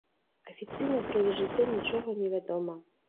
Афіцыйна пра іх жыццё нічога невядома.